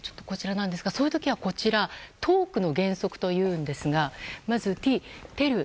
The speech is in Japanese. そういう時はＴＡＬＫの原則というんですがまずＴはＴｅｌｌ。